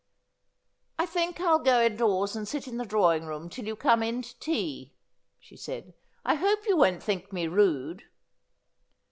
' I think I'll go indoors and sit in the drawing room till you come in to tea,' she said. ' I hope you won't think me rude.'